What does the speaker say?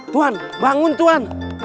tuhan bangun tuhan